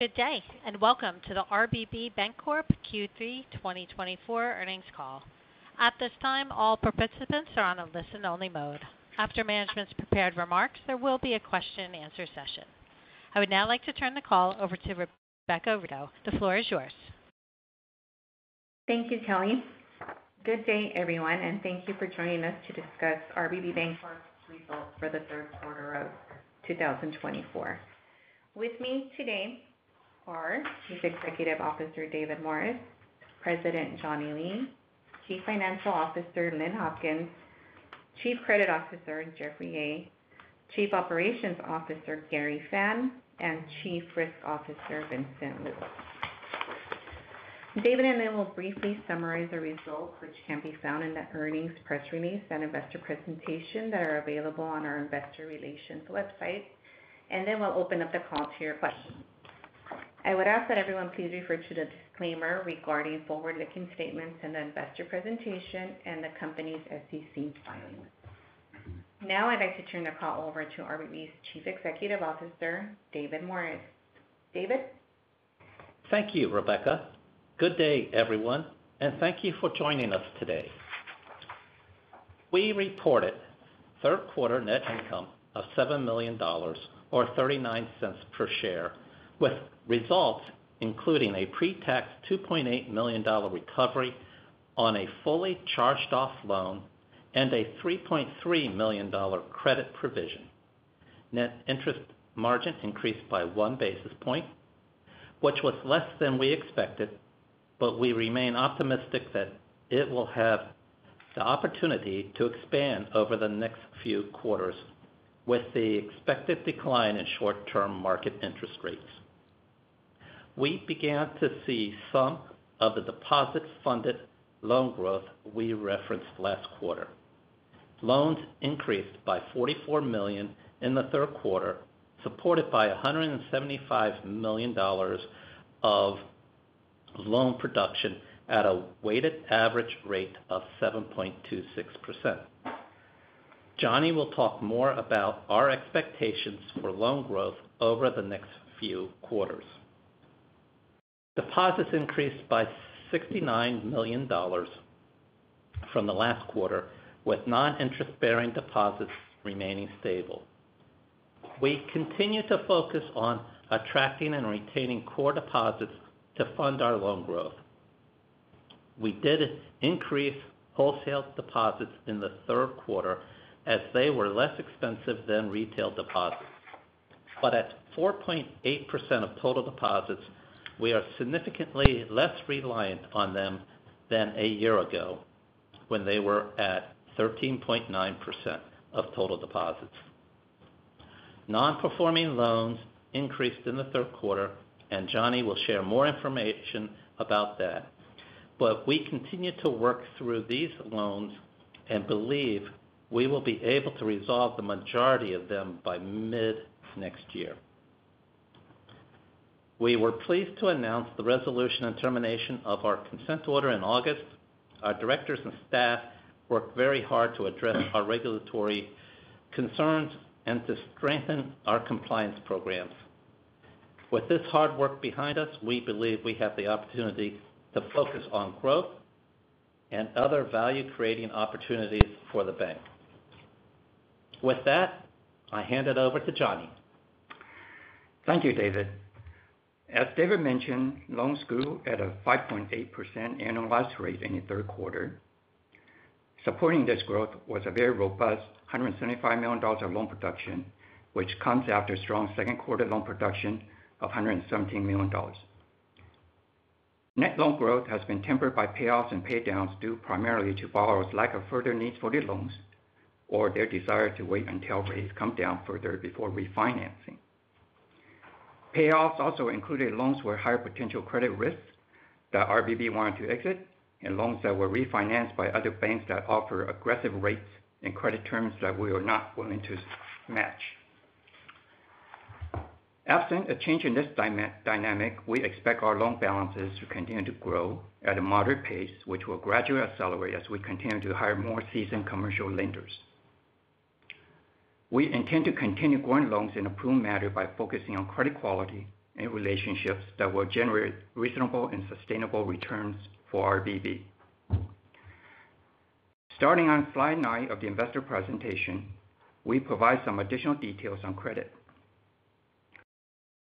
Good day, and welcome to the RBB Bancorp Q3 2024 Earnings Call. At this time, all participants are on a listen-only mode. After management's prepared remarks, there will be a question and answer session. I would now like to turn the call over to Rebecca Rico. The floor is yours. Thank you, Kelly. Good day, everyone, and thank you for joining us to discuss RBB Bancorp's results for the Q3 of 2024. With me today are Chief Executive Officer, David Morris, President, Johnny Lee, Chief Financial Officer, Lynn Hopkins, Chief Credit Officer, Jeffrey Yeh, Chief Operations Officer, Gary Fan, and Chief Risk Officer, Vincent Liu. David and I will briefly summarize the results, which can be found in the earnings press release and investor presentation that are available on our investor relations website, and then we'll open up the call to your questions. I would ask that everyone please refer to the disclaimer regarding forward-looking statements in the investor presentation and the company's SEC filings. Now, I'd like to turn the call over to RBB's Chief Executive Officer, David Morris. David? Thank you, Rebecca. Good day, everyone, and thank you for joining us today. We reported Q3 net income of $7 million or $0.39 per share, with results including a pre-tax $2.8 million recovery on a fully charged-off loan and a $3.3 million credit provision. Net interest margin increased by one basis point, which was less than we expected, but we remain optimistic that it will have the opportunity to expand over the next few quarters with the expected decline in short-term market interest rates. We began to see some of the deposits-funded loan growth we referenced last quarter. Loans increased by $44 million in the Q3, supported by $175 million of loan production at a weighted average rate of 7.26%. Johnny will talk more about our expectations for loan growth over the next few quarters. Deposits increased by $69 million from the last quarter, with non-interest-bearing deposits remaining stable. We continue to focus on attracting and retaining core deposits to fund our loan growth. We did increase wholesale deposits in the Q3, as they were less expensive than retail deposits. But at 4.8% of total deposits, we are significantly less reliant on them than a year ago, when they were at 13.9% of total deposits. Non-performing loans increased in the Q3, and Johnny will share more information about that. But we continue to work through these loans and believe we will be able to resolve the majority of them by mid-next year. We were pleased to announce the resolution and termination of our consent order in August. Our directors and staff worked very hard to address our regulatory concerns and to strengthen our compliance programs. With this hard work behind us, we believe we have the opportunity to focus on growth and other value-creating opportunities for the bank. With that, I hand it over to Johnny. Thank you, David. As David mentioned, loans grew at a 5.8% annualized rate in the Q3. Supporting this growth was a very robust $175 million of loan production, which comes after strong Q2 loan production of $117 million. Net loan growth has been tempered by payoffs and pay downs, due primarily to borrowers' lack of further needs for their loans or their desire to wait until rates come down further before refinancing. Payoffs also included loans with higher potential credit risks that RBB wanted to exit, and loans that were refinanced by other banks that offer aggressive rates and credit terms that we were not willing to match. Absent a change in this dynamic, we expect our loan balances to continue to grow at a moderate pace, which will gradually accelerate as we continue to hire more seasoned commercial lenders. We intend to continue growing loans in a prudent manner by focusing on credit quality and relationships that will generate reasonable and sustainable returns for RBB. Starting on slide nine of the investor presentation, we provide some additional details on credit.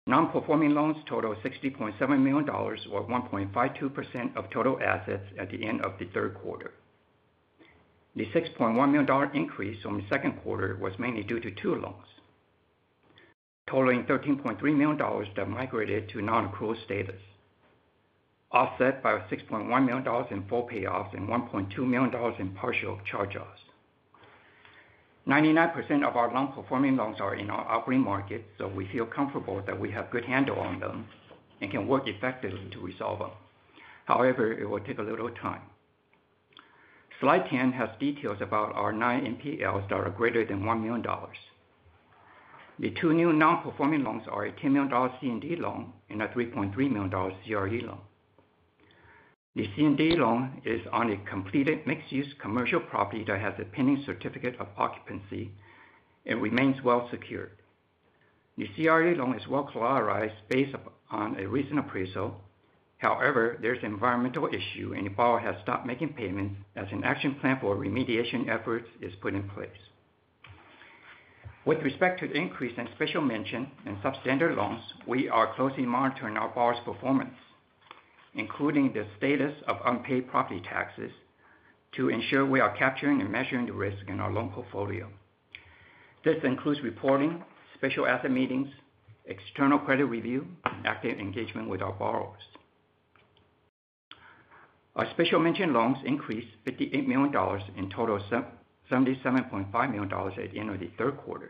Non-performing loans total $60.7 million, or 1.52% of total assets at the end of the Q3. The $6.1 million increase from the Q2 was mainly due to two loans, totaling $13.3 million that migrated to non-accrual status, offset by $6.1 million in full payoffs and $1.2 million in partial charge-offs. 99% of our non-performing loans are in our operating market, so we feel comfortable that we have good handle on them and can work effectively to resolve them. However, it will take a little time. Slide 10 has details about our nine NPLs that are greater than $1 million. The two new non-performing loans are a $10 million C&D loan and a $3.3 million CRE loan. The C&D loan is on a completed mixed-use commercial property that has a pending certificate of occupancy and remains well secured. The CRE loan is well collateralized based upon a recent appraisal. However, there's environmental issue, and the borrower has stopped making payments as an action plan for remediation efforts is put in place. With respect to the increase in special mention and substandard loans, we are closely monitoring our borrowers' performance, including the status of unpaid property taxes, to ensure we are capturing and measuring the risk in our loan portfolio. This includes reporting, special asset meetings, external credit review, and active engagement with our borrowers. Our special mention loans increased $58 million in total, $77.5 million at the end of the Q3.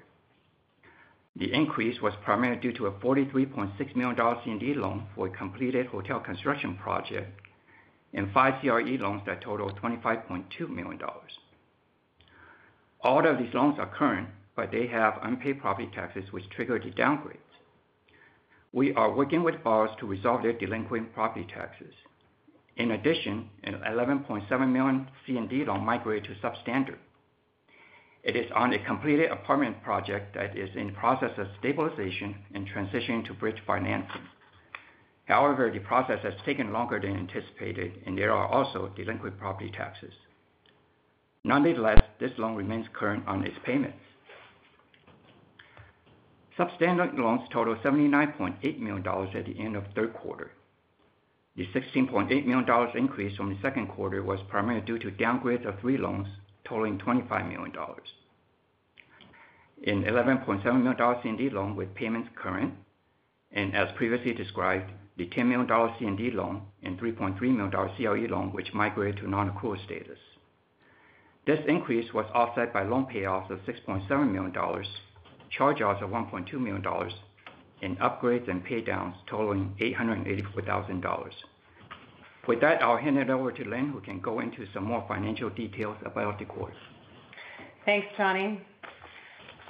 The increase was primarily due to a $43.6 million C&D loan for a completed hotel construction project and five CRE loans that total $25.2 million. All of these loans are current, but they have unpaid property taxes, which triggered the downgrades. We are working with borrowers to resolve their delinquent property taxes. In addition, an $11.7 million C&D loan migrated to substandard. It is on a completed apartment project that is in the process of stabilization and transitioning to bridge financing. However, the process has taken longer than anticipated, and there are also delinquent property taxes. Nonetheless, this loan remains current on its payments. Substandard loans totaled $79.8 million at the end of the Q3. The $16.8 million increase from the Q2 was primarily due to downgrades of three loans totaling $25 million. An $11.7 million C&D loan with payments current, and as previously described, the $10 million C&D loan and $3.3 million CRE loan, which migrated to non-accrual status. This increase was offset by loan payoffs of $6.7 million, charge-offs of $1.2 million, and upgrades and pay downs totaling $884,000. With that, I'll hand it over to Lynn, who can go into some more financial details about the quarters. Thanks, Johnny.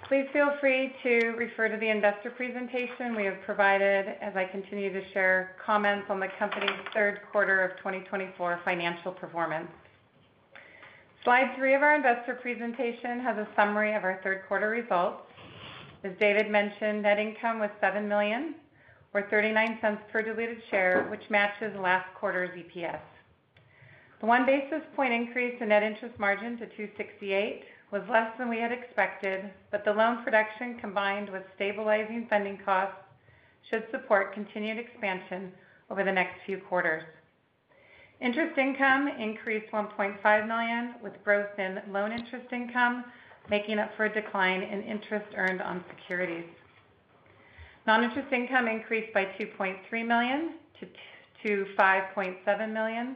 Please feel free to refer to the investor presentation we have provided as I continue to share comments on the company's Q3 of 2024 financial performance. Slide three of our investor presentation has a summary of our Q3 results. As David mentioned, net income was $7 million or $0.39 per diluted share, which matches last quarter's EPS. The one basis point increase in net interest margin to 268 was less than we had expected, but the loan production, combined with stabilizing funding costs, should support continued expansion over the next few quarters. Interest income increased $1.5 million, with growth in loan interest income making up for a decline in interest earned on securities. Non-interest income increased by $2.3 million to $5.7 million,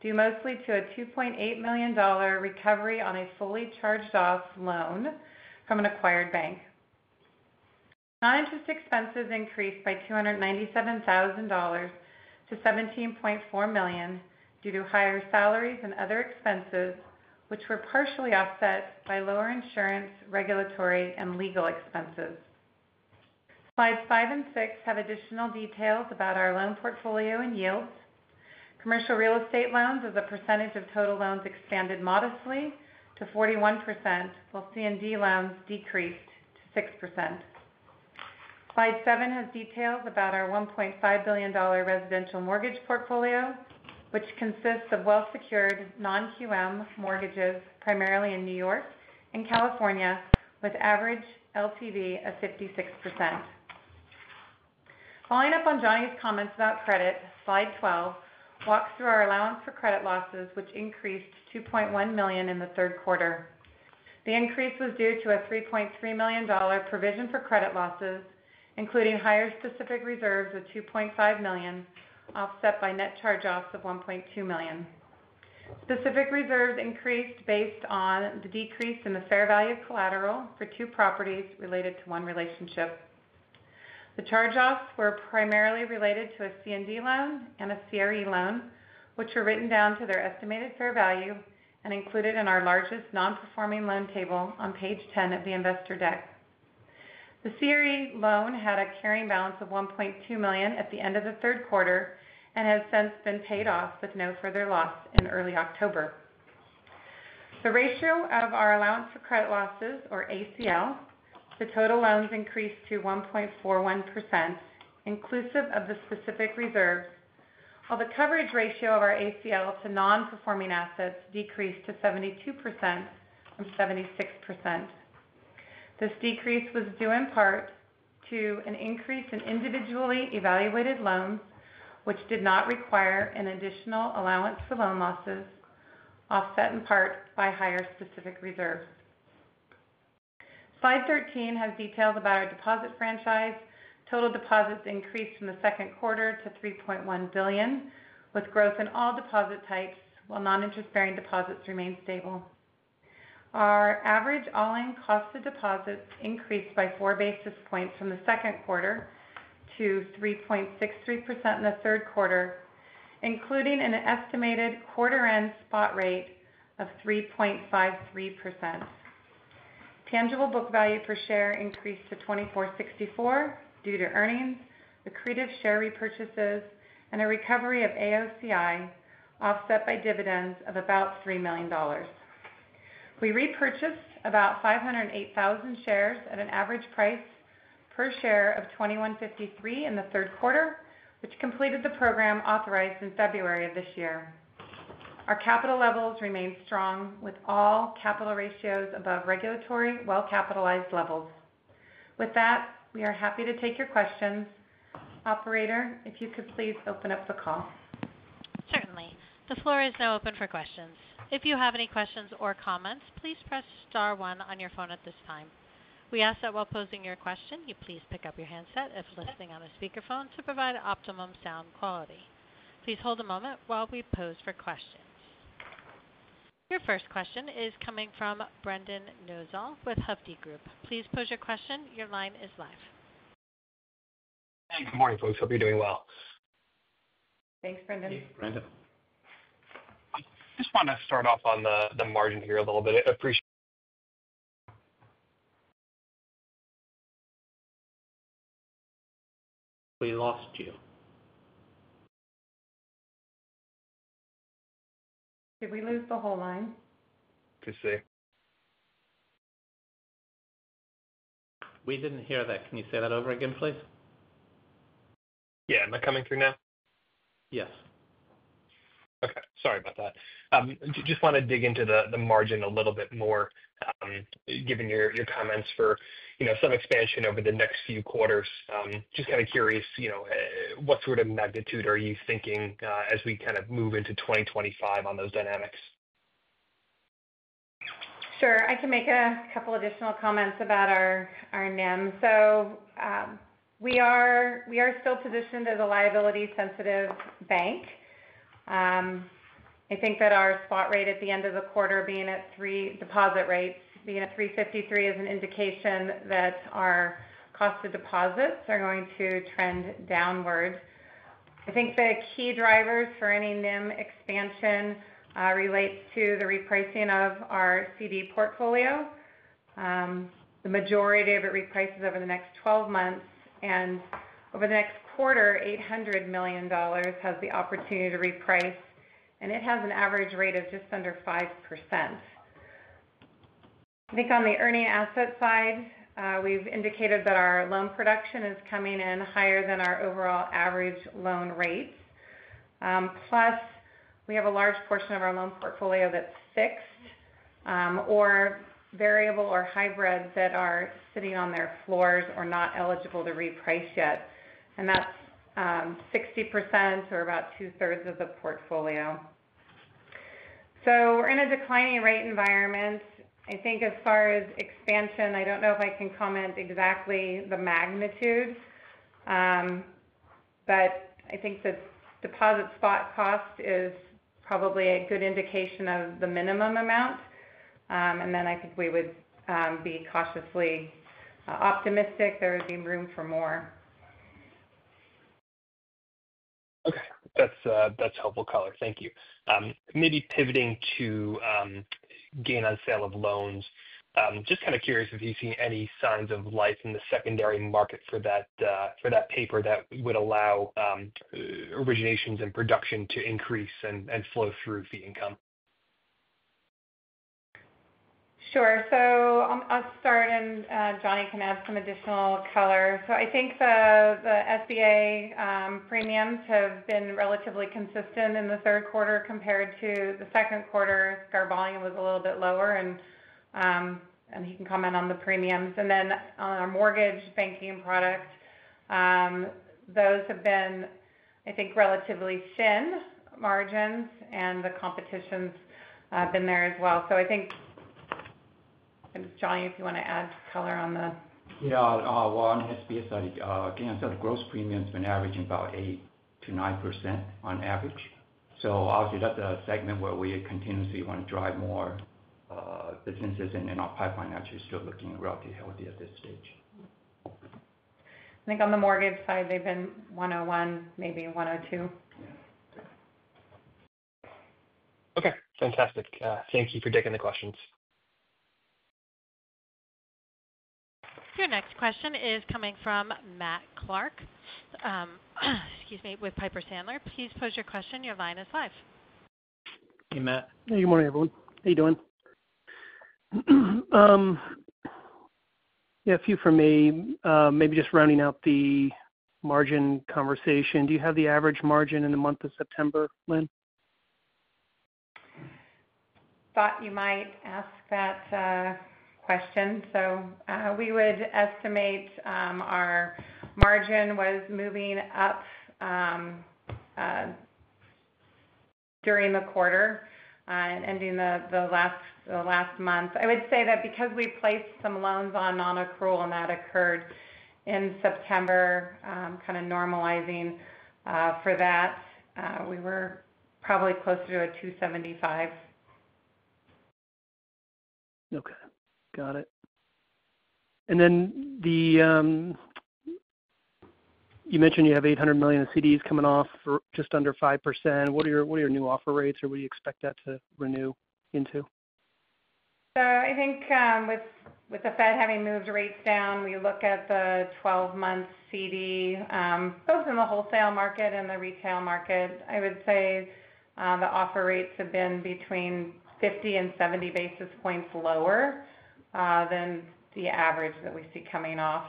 due mostly to a $2.8 million recovery on a fully charged-off loan from an acquired bank. Non-interest expenses increased by $297,000 to $17.4 million due to higher salaries and other expenses, which were partially offset by lower insurance, regulatory, and legal expenses. Slides five and six have additional details about our loan portfolio and yields. Commercial real estate loans as a percentage of total loans expanded modestly to 41%, while C&D loans decreased to 6%. Slide seven has details about our $1.5 billion residential mortgage portfolio, which consists of well-secured non-QM mortgages, primarily in New York and California, with average LTV of 56%. Following up on Johnny's comments about credit, slide 12 walks through our allowance for credit losses, which increased to $2.1 million in the Q3. The increase was due to a $3.3 million provision for credit losses, including higher specific reserves of $2.5 million, offset by net charge-offs of $1.2 million. Specific reserves increased based on the decrease in the fair value of collateral for two properties related to one relationship. The charge-offs were primarily related to a C&D loan and a CRE loan, which were written down to their estimated fair value and included in our largest non-performing loan table on page 10 of the investor deck. The CRE loan had a carrying balance of $1.2 million at the end of the Q3 and has since been paid off with no further loss in early October. The ratio of our allowance for credit losses or ACL to total loans increased to 1.41%, inclusive of the specific reserve, while the coverage ratio of our ACL to non-performing assets decreased to 72% from 76%. This decrease was due in part to an increase in individually evaluated loans, which did not require an additional allowance for loan losses, offset in part by higher specific reserves. Slide 13 has details about our deposit franchise. Total deposits increased from the Q2 to $3.1 billion, with growth in all deposit types, while non-interest-bearing deposits remained stable. Our average all-in cost of deposits increased by four basis points from the Q2 to 3.63% in the Q3, including an estimated quarter-end spot rate of 3.53%. Tangible book value per share increased to $24.64 due to earnings, accretive share repurchases, and a recovery of AOCI, offset by dividends of about $3 million. We repurchased about 508,000 shares at an average price per share of $21.53 in the Q3, which completed the program authorized in February of this year. Our capital levels remain strong, with all capital ratios above regulatory well-capitalized levels. With that, we are happy to take your questions. Operator, if you could please open up the call. Certainly. The floor is now open for questions. If you have any questions or comments, please press star one on your phone at this time. We ask that while posing your question, you please pick up your handset if listening on a speakerphone to provide optimum sound quality. Please hold a moment while we poll for questions. Your first question is coming from Brendan Nosal with Hovde Group. Please pose your question. Your line is live. Hey, good morning, folks. Hope you're doing well. Thanks, Brendan. Hey, Brendan. I just want to start off on the margin here a little bit. I appreciate- We lost you. Did we lose the whole line? Let's see. We didn't hear that. Can you say that over again, please? Yeah. Am I coming through now? Yes. Okay. Sorry about that. Just want to dig into the margin a little bit more, given your comments for, you know, some expansion over the next few quarters. Just kind of curious, you know, what sort of magnitude are you thinking, as we kind of move into 2025 on those dynamics? Sure. I can make a couple additional comments about our NIM. So we are still positioned as a liability-sensitive bank. I think that our deposit rates being at 3.53% is an indication that our cost of deposits are going to trend downward. I think the key drivers for any NIM expansion relates to the repricing of our CD portfolio. The majority of it reprices over the next twelve months, and over the next quarter, $800 million has the opportunity to reprice, and it has an average rate of just under 5%. I think on the earning asset side, we've indicated that our loan production is coming in higher than our overall average loan rates. Plus, we have a large portion of our loan portfolio that's fixed, or variable or hybrid that are sitting on their floors or not eligible to reprice yet, and that's 60% or about two-thirds of the portfolio, so we're in a declining rate environment. I think as far as expansion, I don't know if I can comment exactly the magnitude, but I think the deposit spot cost is probably a good indication of the minimum amount, and then I think we would be cautiously optimistic there would be room for more. Okay. That's helpful color. Thank you. Maybe pivoting to gain on sale of loans. Just kind of curious if you've seen any signs of life in the secondary market for that, for that paper that would allow originations and production to increase and flow through fee income? Sure. I'll start and Johnny can add some additional color. I think the SBA premiums have been relatively consistent in the Q3 compared to the Q2. I think our volume was a little bit lower, and he can comment on the premiums. And then on our mortgage banking products, those have been, I think, relatively thin margins and the competition's been there as well. So I think, Johnny, if you want to add color on the- Yeah. Well, on SBA side, again, so the gross premium has been averaging about 8%-9% on average. So obviously, that's a segment where we continuously want to drive more businesses, and then our pipeline actually is still looking relatively healthy at this stage. I think on the mortgage side, they've been 101, maybe 102. Yeah. Okay, fantastic. Thank you for taking the questions. Your next question is coming from Matt Clark. Excuse me, with Piper Sandler. Please pose your question. Your line is live. Hey, Matt. Good morning, everyone. How are you doing? Yeah, a few from me. Maybe just rounding out the margin conversation. Do you have the average margin in the month of September, Lynn? Thought you might ask that question. So, we would estimate our margin was moving up during the quarter and ending the last month. I would say that because we placed some loans on nonaccrual, and that occurred in September, kind of normalizing for that, we were probably closer to 2.75%. Okay, got it. And then the, You mentioned you have eight hundred million in CDs coming off for just under 5%. What are your, what are your new offer rates, or what do you expect that to renew into? So I think, with the Fed having moved rates down, we look at the twelve-month CD, both in the wholesale market and the retail market. I would say, the offer rates have been between 50 and 70 basis points lower, than the average that we see coming off.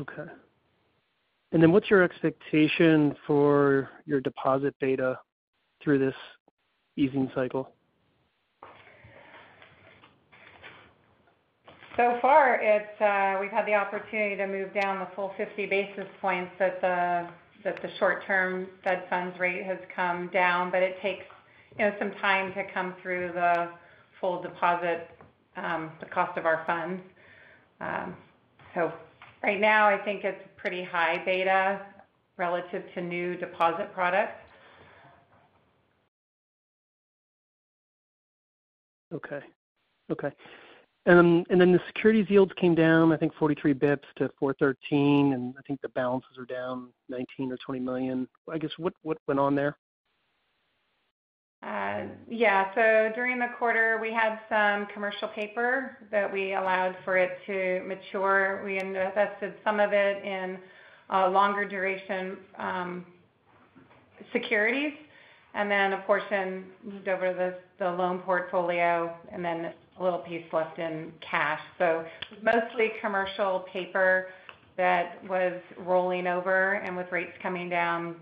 Okay. And then what's your expectation for your deposit beta through this easing cycle? So far, we've had the opportunity to move down the full 50 basis points that the short-term Fed funds rate has come down, but it takes, you know, some time to come through the full deposit, the cost of our funds. So right now, I think it's pretty high beta relative to new deposit products. Okay. And then the securities yields came down, I think, 43 basis points to 4.13, and I think the balances are down $19 million or $20 million. I guess, what went on there? Yeah. So during the quarter, we had some commercial paper that we allowed for it to mature. We invested some of it in longer duration securities, and then a portion moved over the loan portfolio, and then a little piece left in cash. So mostly commercial paper that was rolling over, and with rates coming down,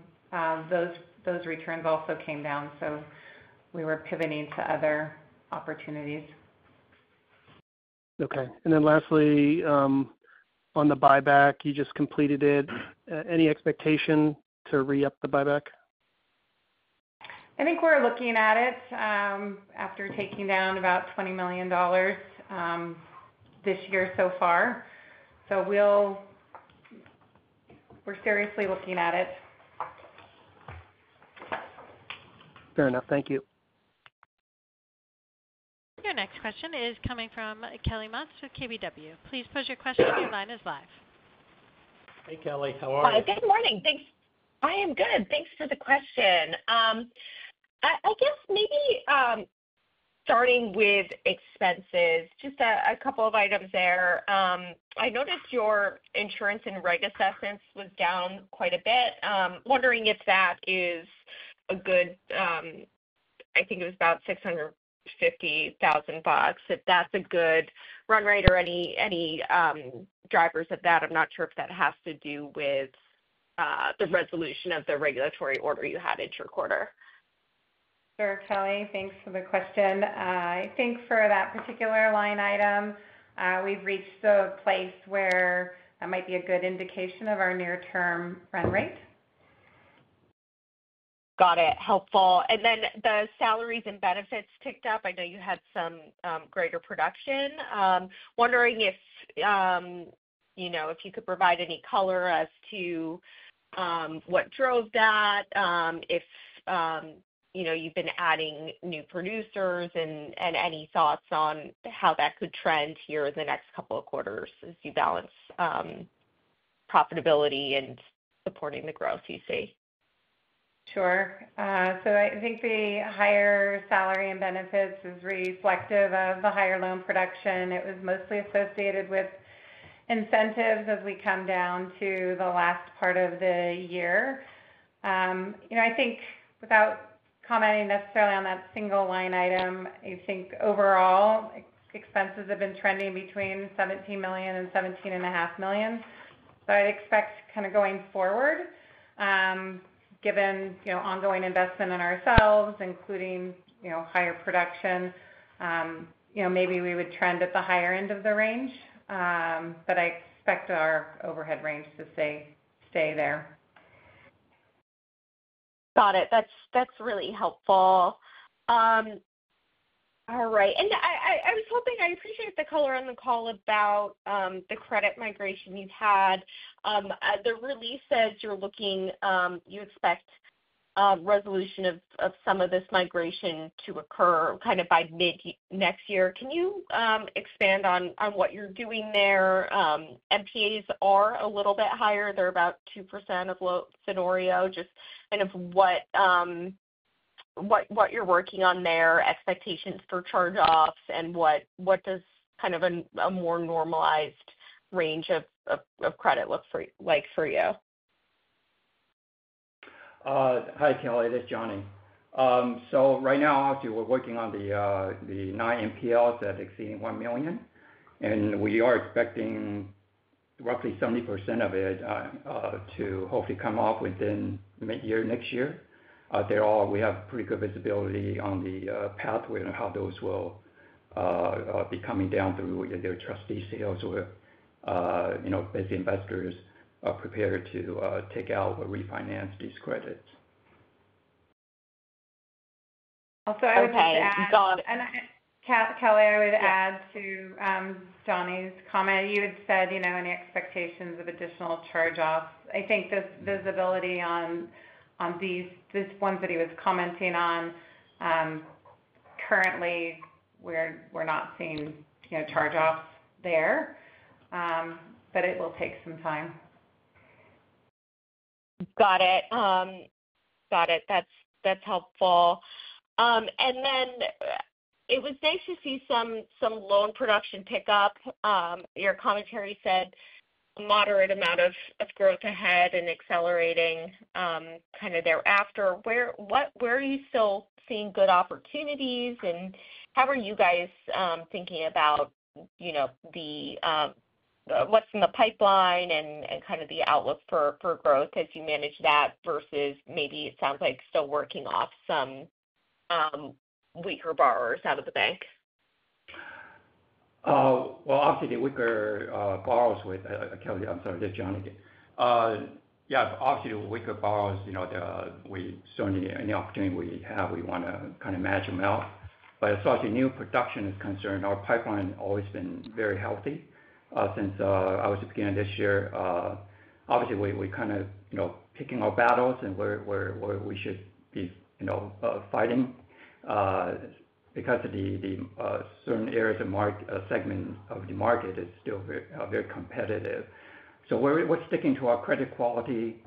those returns also came down, so we were pivoting to other opportunities. Okay. And then lastly, on the buyback, you just completed it. Any expectation to re-up the buyback? I think we're looking at it after taking down about $20 million this year so far. So we're seriously looking at it. Fair enough. Thank you. Your next question is coming from Kelly Motta with KBW. Please pose your question. Your line is live. Hey, Kelly. How are you? Hi. Good morning, thanks. I am good. Thanks for the question. I guess maybe starting with expenses, just a couple of items there. I noticed your insurance and reg assessments was down quite a bit. Wondering if that is a good, I think it was about $650,000, if that's a good run rate or any drivers of that. I'm not sure if that has to do with the resolution of the regulatory order you had in your quarter. Sure, Kelly. Thanks for the question. I think for that particular line item, we've reached a place where that might be a good indication of our near-term run rate. Got it. Helpful. And then the salaries and benefits ticked up. I know you had some greater production. Wondering if you know if you could provide any color as to what drove that, if you know you've been adding new producers, and any thoughts on how that could trend here in the next couple of quarters as you balance profitability and supporting the growth you see? Sure. So I think the higher salary and benefits is reflective of the higher loan production. It was mostly associated with incentives as we come down to the last part of the year. You know, I think without commenting necessarily on that single line item, I think overall, expenses have been trending between $17 million and $17.5 million. So I expect kind of going forward, given, you know, ongoing investment in ourselves, including, you know, higher production, you know, maybe we would trend at the higher end of the range. But I expect our overhead range to stay there. Got it. That's really helpful. All right. And I was hoping I appreciate the color on the call about the credit migration you've had. The release says you're looking, you expect resolution of some of this migration to occur kind of by mid next year. Can you expand on what you're doing there? NPAs are a little bit higher. They're about 2% of loan scenario. Just kind of what you're working on there, expectations for charge-offs, and what does kind of a more normalized range of credit look like for you? Hi, Kelly, this is Johnny. So right now, actually, we're working on the nine NPLs that exceed $1 million, and we are expecting roughly 70% of it to hopefully come off within midyear next year. They all, we have pretty good visibility on the pathway and how those will be coming down through either trustee sales or, you know, as investors are prepared to take out or refinance these credits. Also, I would just add- Okay, got it. And I, Kelly, I would add to Johnny's comment. You had said, you know, any expectations of additional charge-offs. I think this visibility on these ones that he was commenting on. Currently, we're not seeing, you know, charge-offs there, but it will take some time. Got it. That's helpful. And then, it was nice to see some loan production pick up. Your commentary said moderate amount of growth ahead and accelerating kind of thereafter. Where are you still seeing good opportunities, and how are you guys thinking about, you know, what's in the pipeline and kind of the outlook for growth as you manage that versus maybe it sounds like still working off some weaker borrowers out of the bank? Well, obviously, the weaker borrowers with Kelly, I'm sorry, this is Johnny again. Yeah, obviously, weaker borrowers, you know, we certainly any opportunity we have, we wanna kind of match them out. But as far as the new production is concerned, our pipeline has always been very healthy. Since obviously beginning of this year, obviously, we kind of, you know, picking our battles and where we should be, you know, fighting, because of the certain areas of market segments of the market is still very competitive. So we're sticking to our credit quality,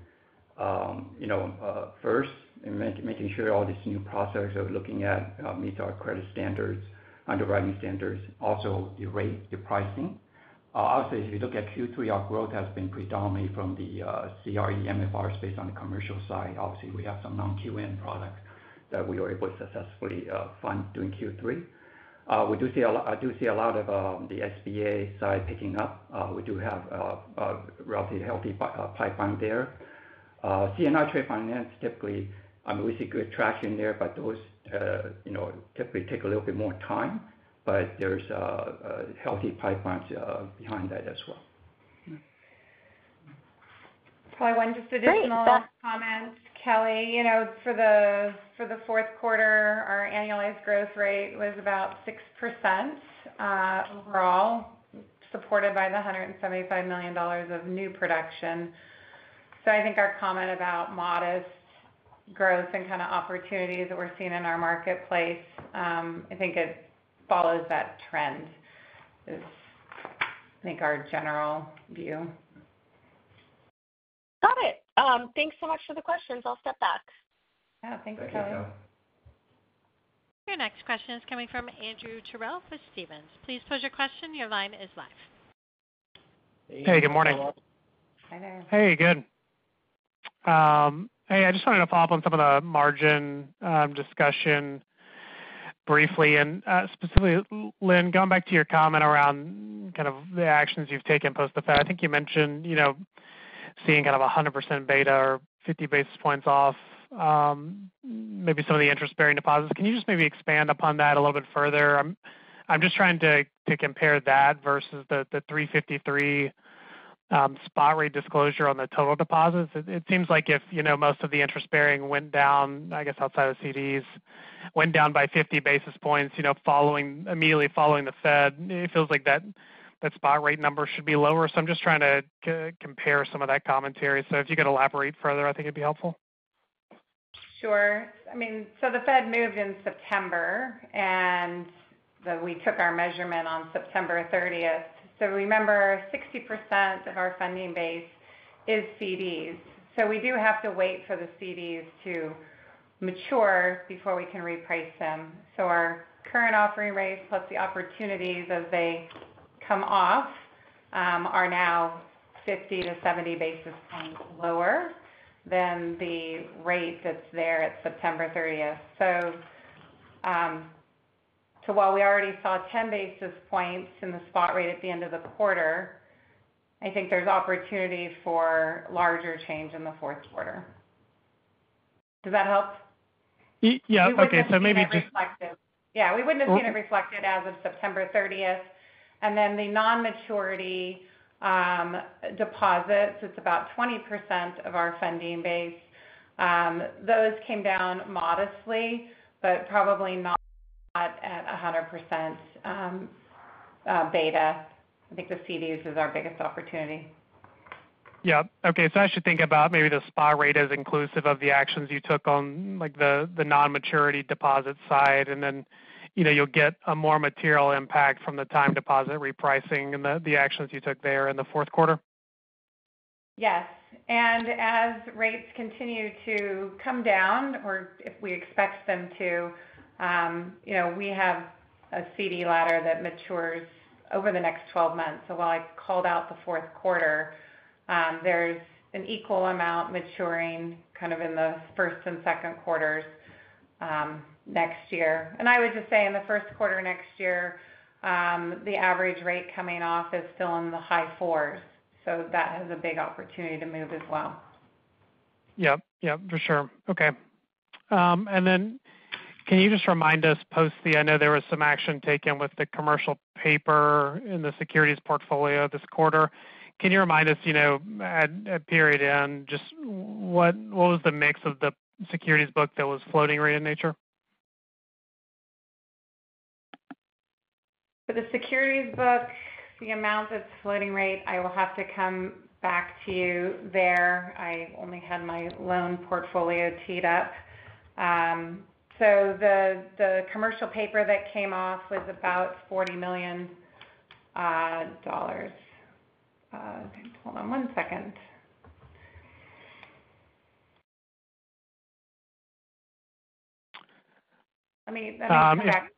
you know, first and making sure all these new prospects meet our credit standards, underwriting standards, also the rate, the pricing. Obviously, if you look at Q3, our growth has been predominantly from the CRE MFR space on the commercial side. Obviously, we have some non-QM products that we were able to successfully fund during Q3. I do see a lot of the SBA side picking up. We do have a relatively healthy pipeline there. C&I trade finance, typically, I mean, we see good traction there, but those, you know, typically take a little bit more time, but there's healthy pipelines behind that as well. Probably just one additional comment, Kelly. You know, for the Q4, our annualized growth rate was about 6%, overall, supported by $175 million of new production. So I think our comment about modest growth and kind of opportunities that we're seeing in our marketplace, I think it follows that trend. It's, I think, our general view. Got it. Thanks so much for the questions. I'll step back. Yeah, thanks, Kelly. Thank you, Kelly. Your next question is coming from Andrew Terrell with Stephens. Please pose your question. Your line is live. Hey, good morning. Hi, there. Hey, good. Hey, I just wanted to follow up on some of the margin discussion briefly. Specifically, Lynn, going back to your comment around kind of the actions you've taken post the Fed, I think you mentioned, you know, seeing kind of a 100% beta or fifty basis points off, maybe some of the interest-bearing deposits. Can you just maybe expand upon that a little bit further? I'm just trying to compare that versus the 3.53 spot rate disclosure on the total deposits. It seems like if, you know, most of the interest bearing went down, I guess, outside of CDs, went down by fifty basis points, you know, following immediately following the Fed, it feels like that spot rate number should be lower. So I'm just trying to compare some of that commentary. So if you could elaborate further, I think it'd be helpful. Sure. I mean, so the Fed moved in September, and we took our measurement on September thirtieth. So remember, 60% of our funding base is CDs, so we do have to wait for the CDs to mature before we can reprice them. So our current offering rates, plus the opportunities as they come off, are now 50-70 basis points lower than the rate that's there at September thirtieth. So, so while we already saw 10 basis points in the spot rate at the end of the quarter, I think there's opportunity for larger change in the Q4. Does that help? Yeah. Okay. So maybe just- Yeah, we wouldn't have seen it reflected as of September thirtieth. And then the non-maturity deposits, it's about 20% of our funding base. Those came down modestly, but probably not at a 100% beta. I think the CDs is our biggest opportunity. Yeah. Okay. So I should think about maybe the spot rate as inclusive of the actions you took on, like, the, the non-maturity deposit side, and then, you know, you'll get a more material impact from the time deposit repricing and the, the actions you took there in the Q4? Yes. And as rates continue to come down or if we expect them to, you know, we have a CD ladder that matures over the next 12 months. So while I called out the Q4, there's an equal amount maturing kind of in the first and Q2s, next year. And I would just say in the Q1 next year, the average rate coming off is still in the high fours, so that has a big opportunity to move as well. Yep. Yep, for sure. Okay. And then can you just remind us, I know there was some action taken with the commercial paper in the securities portfolio this quarter. Can you remind us, you know, at period end, just what was the mix of the securities book that was floating rate in nature?... For the securities book, the amount that's floating rate, I will have to come back to you there. I only had my loan portfolio teed up. So the commercial paper that came off was about $40 million. Hold on one second. Let me come back.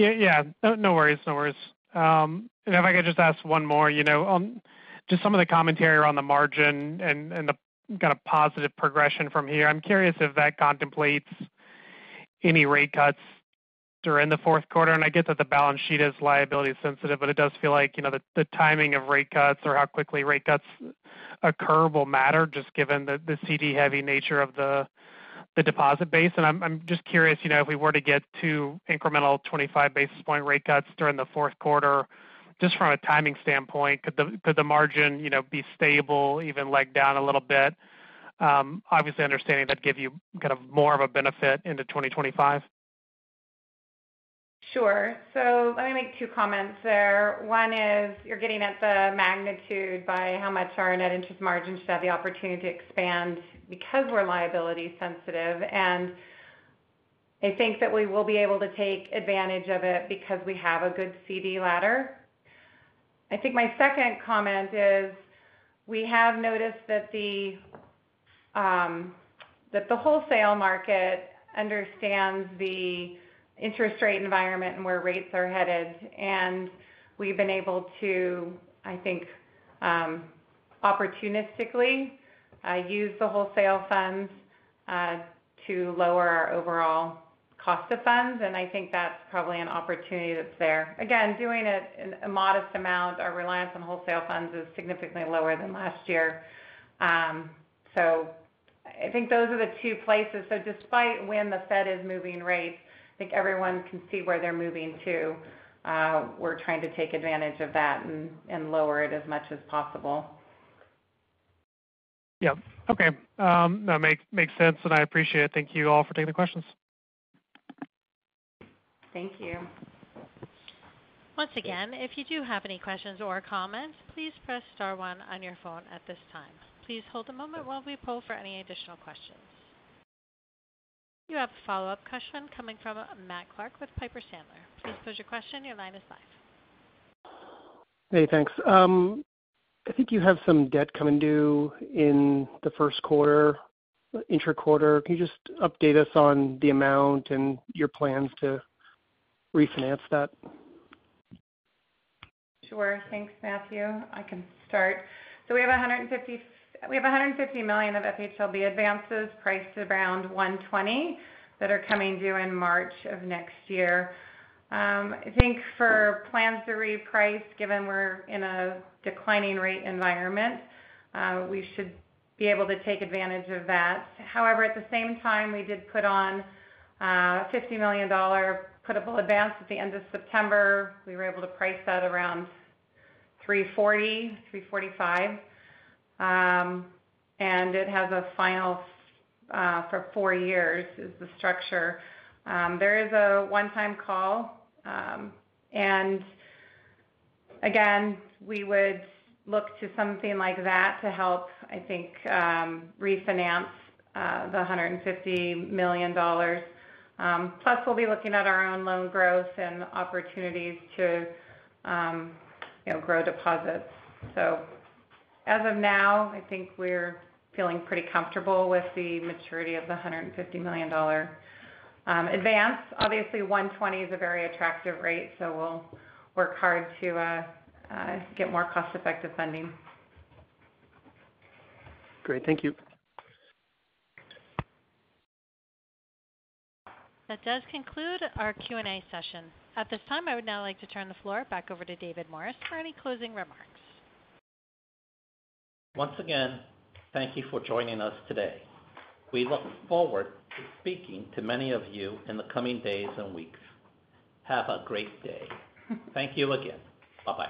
Yeah, yeah. No, no worries, no worries. And if I could just ask one more, you know, on just some of the commentary around the margin and the kind of positive progression from here. I'm curious if that contemplates any rate cuts during the Q4. And I get that the balance sheet is liability sensitive, but it does feel like, you know, the timing of rate cuts or how quickly rate cuts occur will matter, just given the CD-heavy nature of the deposit base. And I'm just curious, you know, if we were to get to incremental twenty-five basis point rate cuts during the Q4, just from a timing standpoint, could the margin, you know, be stable, even leg down a little bit? Obviously understanding that'd give you kind of more of a benefit into twenty twenty-five. Sure. So let me make two comments there. One is, you're getting at the magnitude by how much our net interest margin should have the opportunity to expand because we're liability sensitive, and I think that we will be able to take advantage of it because we have a good CD ladder. I think my second comment is, we have noticed that the wholesale market understands the interest rate environment and where rates are headed, and we've been able to, I think, opportunistically use the wholesale funds to lower our overall cost of funds, and I think that's probably an opportunity that's there. Again, doing it in a modest amount, our reliance on wholesale funds is significantly lower than last year. So I think those are the two places. Despite when the Fed is moving rates, I think everyone can see where they're moving to. We're trying to take advantage of that and lower it as much as possible. Yeah. Okay. That makes sense, and I appreciate it. Thank you all for taking the questions. Thank you. Once again, if you do have any questions or comments, please press star one on your phone at this time. Please hold a moment while we poll for any additional questions. You have a follow-up question coming from Matt Clark with Piper Sandler. Please pose your question. Your line is live. Hey, thanks. I think you have some debt coming due in the Q1, intraquarter. Can you just update us on the amount and your plans to refinance that? Sure. Thanks, Matthew. I can start. So we have $150 million of FHLB advances priced around 1.20, that are coming due in March of next year. I think for plans to reprice, given we're in a declining rate environment, we should be able to take advantage of that. However, at the same time, we did put on a $50 million putable advance at the end of September. We were able to price that around 3.40, 3.45. And it has a final for four years, is the structure. There is a one-time call. And again, we would look to something like that to help, I think, refinance the $150 million. Plus, we'll be looking at our own loan growth and opportunities to, you know, grow deposits. So as of now, I think we're feeling pretty comfortable with the maturity of the $150 million advance. Obviously, 1.20 is a very attractive rate, so we'll work hard to get more cost-effective funding. Great. Thank you. That does conclude our Q&A session. At this time, I would now like to turn the floor back over to David Morris for any closing remarks. Once again, thank you for joining us today. We look forward to speaking to many of you in the coming days and weeks. Have a great day. Thank you again. Bye-bye.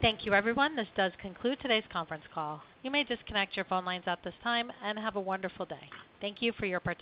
Thank you, everyone. This does conclude today's conference call. You may disconnect your phone lines at this time, and have a wonderful day. Thank you for your participation.